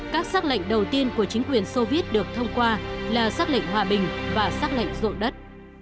các xác lệnh đầu tiên của chính quyền soviet được thông qua là xác lệnh hòa bình và xác lệnh rộn đất